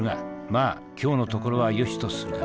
まあ、今日のところはよしとするか。